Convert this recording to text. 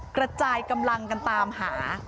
กระจายกำลังกันตามหา